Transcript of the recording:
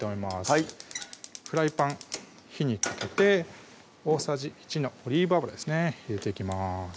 はいフライパン火にかけて大さじ１のオリーブ油ですね入れていきます